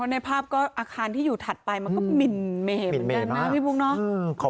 ในภาพก็อาคารที่อยู่ถัดไปมันก็หมินเมเหเหมือนกันนะพี่บุ๊คเนอะ